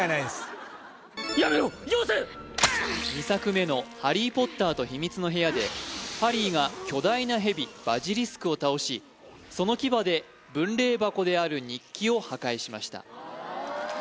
２作目の「ハリー・ポッターと秘密の部屋」でハリーが巨大なヘビバジリスクを倒しその牙で分霊箱である日記を破壊しました